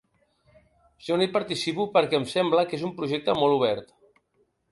Jo no hi participo perquè em sembla que és un projecte molt obert.